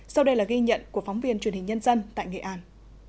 sau đây là ghi nhận của phóng viên truyền hình nhân dân tại nghệ an